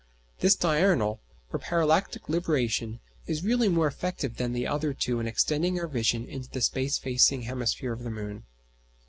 This diurnal or parallactic libration is really more effective than the other two in extending our vision into the space facing hemisphere of the moon.